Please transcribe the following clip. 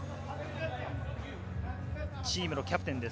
チームのキャプテンです。